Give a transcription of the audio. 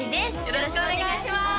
よろしくお願いします